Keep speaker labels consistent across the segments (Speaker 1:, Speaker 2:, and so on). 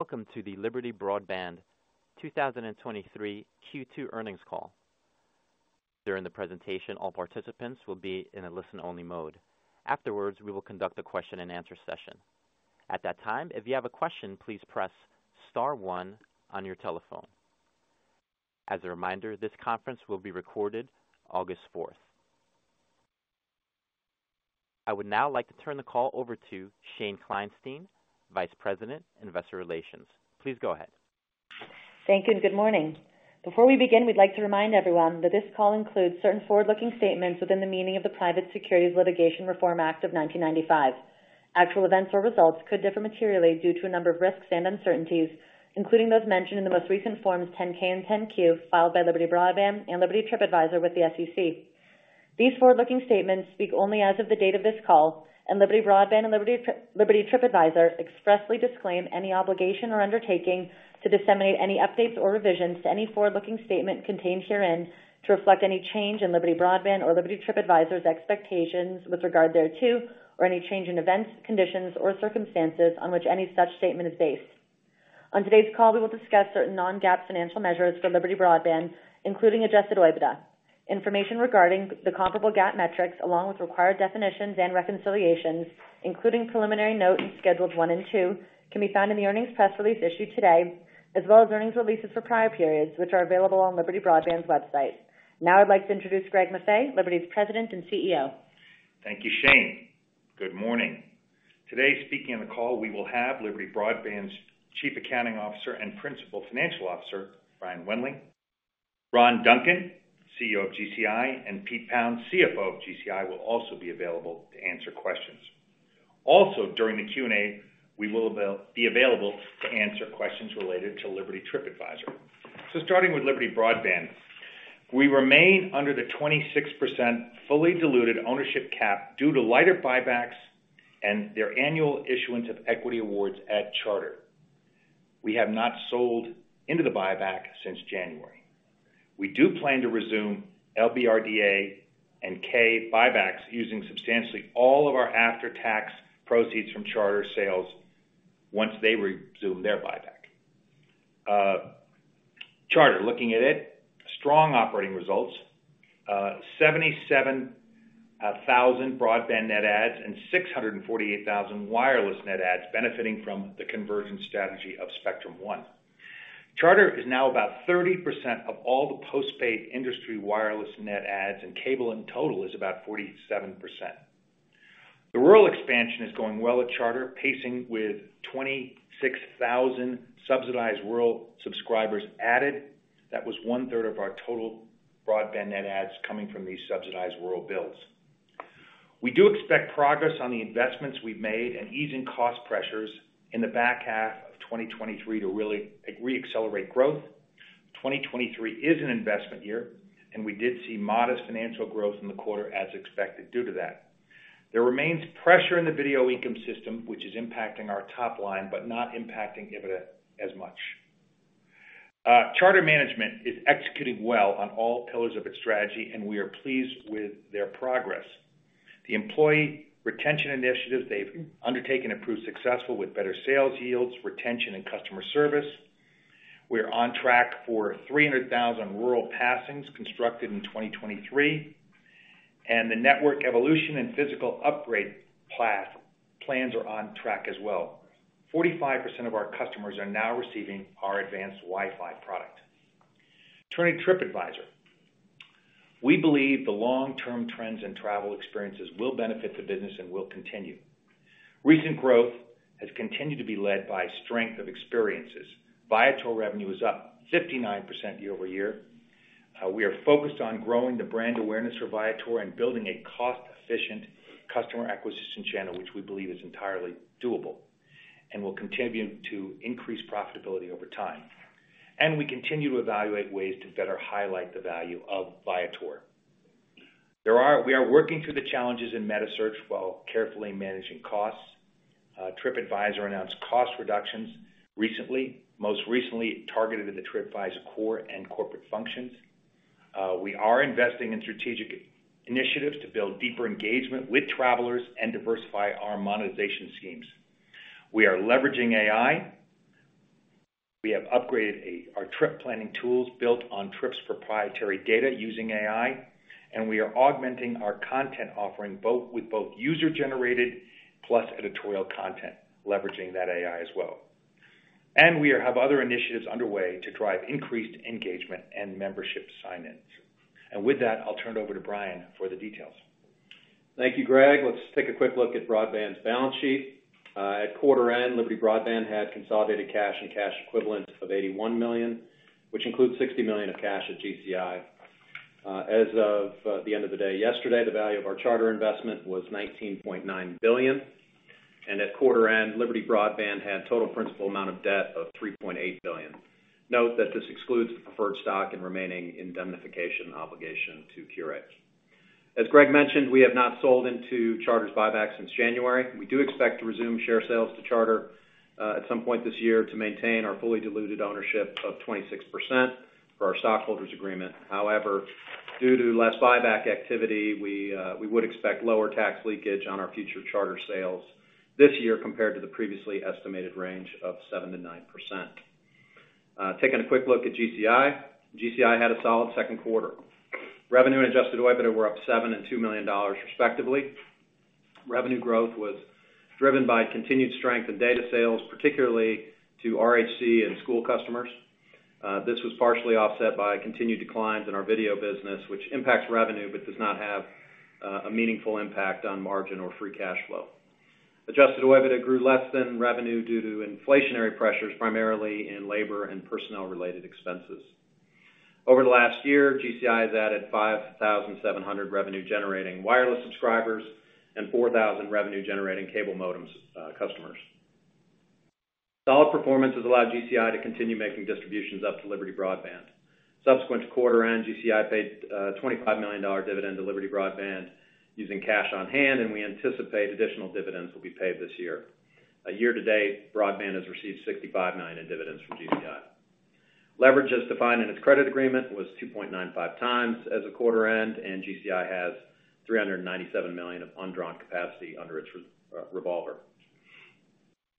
Speaker 1: Welcome to the Liberty Broadband 2023 Q2 Earnings Call. During the presentation, all participants will be in a listen-only mode. Afterwards, we will conduct a question-and-answer session. At that time, if you have a question, please press star one on your telephone. As a reminder, this conference will be recorded August 4th. I would now like to turn the call over to Shane Kleinstein, Vice President, Investor Relations. Please go ahead.
Speaker 2: Thank you, and good morning. Before we begin, we'd like to remind everyone that this call includes certain forward-looking statements within the meaning of the Private Securities Litigation Reform Act of 1995. Actual events or results could differ materially due to a number of risks and uncertainties, including those mentioned in the most recent forms 10-K and 10-Q, filed by Liberty Broadband and Liberty TripAdvisor with the SEC. These forward-looking statements speak only as of the date of this call, and Liberty Broadband and Liberty TripAdvisor expressly disclaim any obligation or undertaking to disseminate any updates or revisions to any forward-looking statement contained herein to reflect any change in Liberty Broadband or Liberty TripAdvisor's expectations with regard thereto, or any change in events, conditions, or circumstances on which any such statement is based. On today's call, we will discuss certain non-GAAP financial measures for Liberty Broadband, including adjusted EBITDA. Information regarding the comparable GAAP metrics, along with required definitions and reconciliations, including preliminary note in schedules one and two, can be found in the earnings press release issued today, as well as earnings releases for prior periods, which are available on Liberty Broadband's website. Now I'd like to introduce Greg Maffei, Liberty's President and CEO.
Speaker 3: Thank you, Shane. Good morning. Today, speaking on the call, we will have Liberty Broadband's Chief Accounting Officer and Principal Financial Officer, Brian Wendling. Ron Duncan, CEO of GCI, and Pete Pounds, CFO of GCI, will also be available to answer questions. During the Q&A, we will be available to answer questions related to Liberty TripAdvisor. Starting with Liberty Broadband, we remain under the 26% fully diluted ownership cap due to lighter buybacks and their annual issuance of equity awards at Charter. We have not sold into the buyback since January. We do plan to resume LBRDA and K buybacks, using substantially all of our after-tax proceeds from Charter sales once they resume their buyback. Charter, looking at it, strong operating results, 77,000 broadband net adds and 648,000 wireless net adds benefiting from the conversion strategy of Spectrum One. Charter is now about 30% of all the postpaid industry, wireless net adds. Cable in total is about 47%. The rural expansion is going well at Charter, pacing with 26,000 subsidized rural subscribers added. That was one-third of our total broadband net adds coming from these subsidized rural builds. We do expect progress on the investments we've made and easing cost pressures in the back half of 2023 to really re-accelerate growth. 2023 is an investment year. We did see modest financial growth in the quarter as expected due to that. There remains pressure in the video ecosystem, which is impacting our top line, not impacting EBITDA as much. Charter management is executing well on all pillars of its strategy. We are pleased with their progress. The employee retention initiatives they've undertaken have proved successful with better sales yields, retention, and customer service. We're on track for 300,000 rural passings constructed in 2023, and the network evolution and physical upgrade plans are on track as well. 45% of our customers are now receiving our advanced Wi-Fi product. Turning to TripAdvisor. We believe the long-term trends in travel experiences will benefit the business and will continue. Recent growth has continued to be led by strength of experiences. Viator revenue is up 59% year-over-year. We are focused on growing the brand awareness for Viator and building a cost-efficient customer acquisition channel, which we believe is entirely doable and will continue to increase profitability over time. We continue to evaluate ways to better highlight the value of Viator. We are working through the challenges in metasearch while carefully managing costs. TripAdvisor announced cost reductions recently, most recently targeted at the TripAdvisor core and corporate functions. We are investing in strategic initiatives to build deeper engagement with travelers and diversify our monetization schemes. We are leveraging AI. We have upgraded our Trip planning tools built on Trips, proprietary data using AI, and we are augmenting our content offering with both user-generated plus editorial content, leveraging that AI as well. We have other initiatives underway to drive increased engagement and membership sign-ins. With that, I'll turn it over to Brian for the details.
Speaker 4: Thank you, Greg. Let's take a quick look at Broadband's balance sheet. At quarter end, Liberty Broadband had consolidated cash and cash equivalents of $81 million, which includes $60 million of cash at GCI. As of the end of the day yesterday, the value of our Charter investment was $19.9 billion, and at quarter end, Liberty Broadband had total principal amount of debt of $3.8 billion. Note that this excludes the preferred stock and remaining indemnification obligation to Qurate. As Greg mentioned, we have not sold into Charter's buyback since January. We do expect to resume share sales to Charter at some point this year to maintain our fully diluted ownership of 26% for our stockholders' agreement. However, due to less buyback activity, we, we would expect lower tax leakage on our future Charter sales this year compared to the previously estimated range of 7%-9%. Taking a quick look at GCI. GCI had a solid second quarter. Revenue and adjusted OIBDA were up $7 million and $2 million, respectively. Revenue growth was driven by continued strength in data sales, particularly to RHC and school customers. This was partially offset by continued declines in our video business, which impacts revenue, but does not have a meaningful impact on margin or free cash flow. Adjusted OIBDA grew less than revenue due to inflationary pressures, primarily in labor and personnel-related expenses. Over the last year, GCI has added 5,700 revenue-generating wireless subscribers and 4,000 revenue-generating cable modems, customers. Solid performance has allowed GCI to continue making distributions up to Liberty Broadband. Subsequent to quarter-end, GCI paid a $25 million dividend to Liberty Broadband using cash on hand. We anticipate additional dividends will be paid this year. A year to date, Liberty Broadband has received $65 million in dividends from GCI. Leverage, as defined in its credit agreement, was 2.95x as of quarter end. GCI has $397 million of undrawn capacity under its revolver.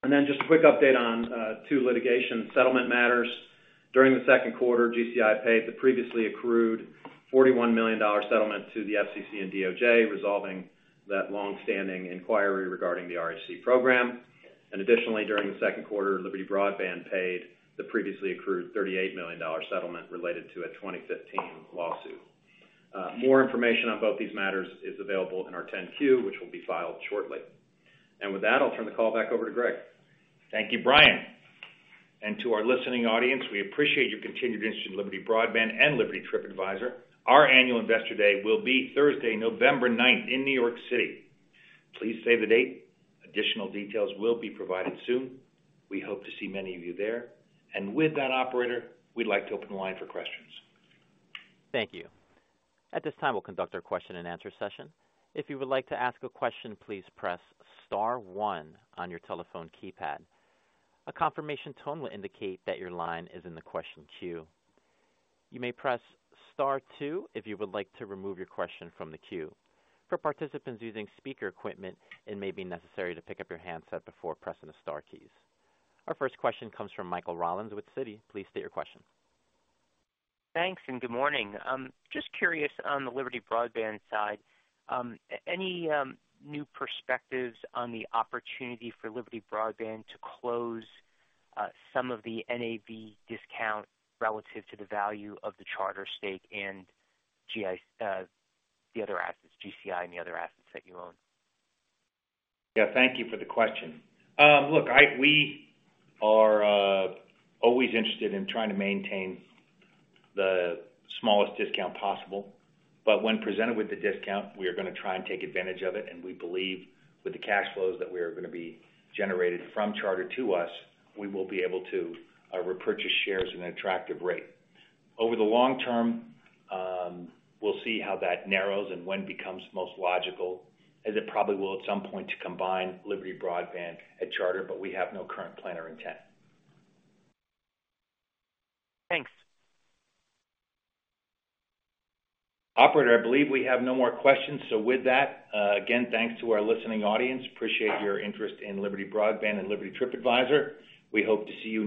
Speaker 4: Just a quick update on two litigation settlement matters. During the second quarter, GCI paid the previously accrued $41 million settlement to the FCC and DOJ, resolving that long-standing inquiry regarding the RHC program. Additionally, during the second quarter, Liberty Broadband paid the previously accrued $38 million settlement related to a 2015 lawsuit. More information on both these matters is available in our 10-Q, which will be filed shortly. With that, I'll turn the call back over to Greg.
Speaker 3: Thank you, Brian. To our listening audience, we appreciate your continued interest in Liberty Broadband and Liberty TripAdvisor. Our annual Investor Day will be Thursday, November 9th, in New York City. Please save the date. Additional details will be provided soon. We hope to see many of you there. With that, operator, we'd like to open the line for questions.
Speaker 1: Thank you. At this time, we'll conduct our question and answer session. If you would like to ask a question, please press star one on your telephone keypad. A confirmation tone will indicate that your line is in the question queue. You may press star two if you would like to remove your question from the queue. For participants using speaker equipment, it may be necessary to pick up your handset before pressing the star keys. Our first question comes from Michael Rollins with Citi. Please state your question.
Speaker 5: Thanks, and good morning. Just curious on the Liberty Broadband side, any new perspectives on the opportunity for Liberty Broadband to close, some of the NAV discount relative to the value of the Charter stake and GCI... the other assets, GCI and the other assets that you own?
Speaker 3: Yeah, thank you for the question. Look, we are always interested in trying to maintain the smallest discount possible, but when presented with the discount, we are gonna try and take advantage of it, and we believe with the cash flows that we are gonna be generating from Charter to us, we will be able to repurchase shares at an attractive rate. Over the long term, we'll see how that narrows and when becomes most logical, as it probably will at some point, to combine Liberty Broadband and Charter, but we hav e no current plan or intent.
Speaker 5: Thanks.
Speaker 3: Operator, I believe we have no more questions. With that, again, thanks to our listening audience. Appreciate your interest in Liberty Broadband and Liberty TripAdvisor. We hope to see you again.